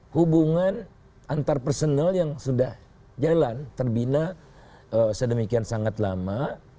hubungan antar personal yang sudah jalan terbina sedemikian sangat lama